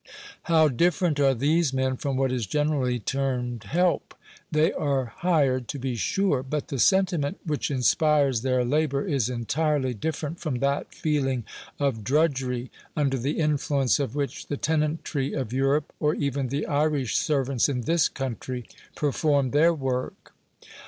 How different are these men from what is generally termed help! They are hired, to be sure; but the sentiment which inspires their labor is entirely different from that feeling of drudgery, under the influence of which the tenantry of Europe, or even the Irish servants in this country, perform their work.